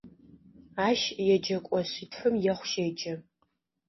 Ащ еджэкӏо шъитфым ехъу щеджэ.